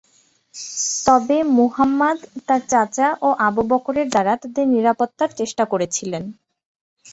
তবে মুহাম্মাদ তার চাচা ও আবু বকরের দ্বারা তাদের নিরাপত্তার চেষ্টা করেছিলেন।